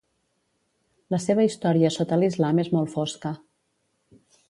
La seva història sota l'islam és molt fosca.